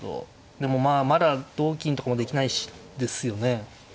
でもまあまだ同金とかもできないし。ですよね。